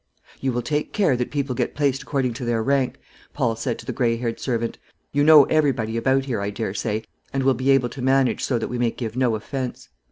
"You will take care that people get placed according to their rank," Paul said to the grey haired servant. "You know everybody about here, I dare say, and will be able to manage so that we may give no offence."